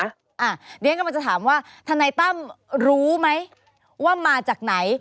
เดี๋ยวฉันกำลังจะถามว่าทนายตั้มรู้ไหมว่ามาจากไหน